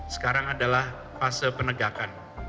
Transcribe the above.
sekarang adalah fase penegakan